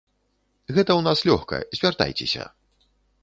Гэта ў нас лёгка, звяртайцеся.